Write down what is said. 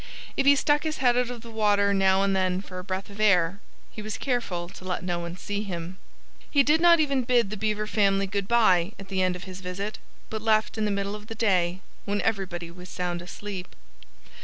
If he stuck his head out of the water now and then for a breath of air, he was careful to let no one see him. He did not even bid the Beaver family good by at the end of his visit, but left in the middle of the day, when everybody was sound asleep.